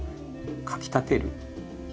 かき立てる。